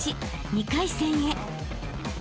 ［２回戦へ］